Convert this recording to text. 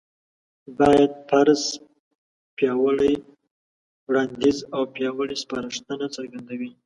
بايد: فرض، پياوړی وړانديځ او پياوړې سپارښتنه څرګندوي